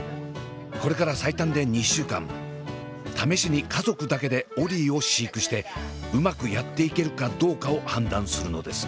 これから最短で２週間試しに家族だけでオリィを飼育してうまくやっていけるかどうかを判断するのです。